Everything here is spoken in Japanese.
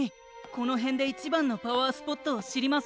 このへんでいちばんのパワースポットをしりませんか？